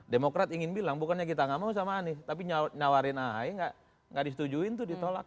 demokrat ingin bilang bukannya kita gak mau sama anis tapi nyawarin ahy gak disetujuin itu ditolak